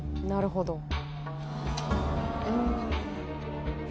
なるほど。